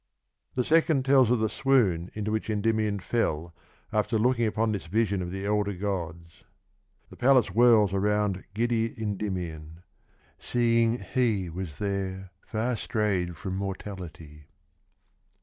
The second tells of the swoon into which Endymion fell after looking upon this vision of the elder gods : The palace whirls Around giddy Endymion; seeing he Was there far strayed from mortaHty.